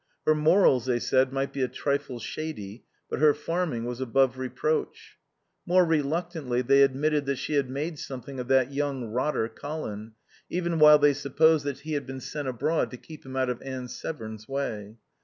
Her morals, they said, might be a trifle shady, but her farming was above reproach. More reluctantly they admitted that she had made something of that young rotter, Colin, even while they supposed that he had been sent abroad to keep him out of Anne Severn's way.